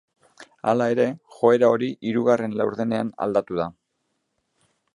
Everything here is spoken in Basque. Hala ere, joera hori hirugarren laurdenean aldatu da.